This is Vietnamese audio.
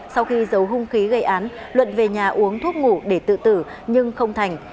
sau khi dấu hông khí gây án luận về nhà uống thuốc ngủ để tự tử nhưng không thành